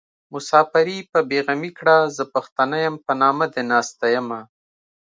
مساپري په بې غمي کړه زه پښتنه يم په نامه دې ناسته يمه